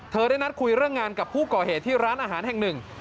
ได้นัดคุยเรื่องงานกับผู้ก่อเหตุที่ร้านอาหารแห่งหนึ่ง